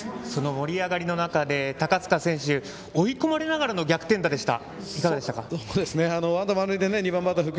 盛り上がりの中で高塚選手追い込まれてからの逆転でした。